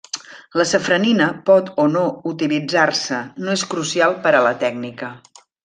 La safranina pot o no utilitzar-se, no és crucial per a la tècnica.